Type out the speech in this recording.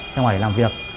ra ngoài để làm việc